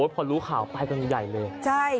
พอรู้ข่าวไปกันใหญ่เลย